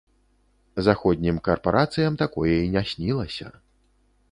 Заходнім карпарацыям такое і не снілася.